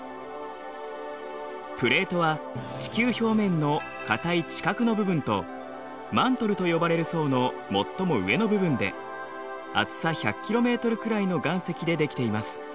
プレートは地球表面の固い地殻の部分とマントルと呼ばれる層の最も上の部分で厚さ１００ｋｍくらいの岩石で出来ています。